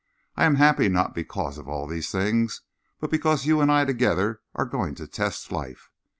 I am happy not because of all these things, but because you and I together are going to test life.